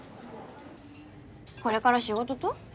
これから仕事と？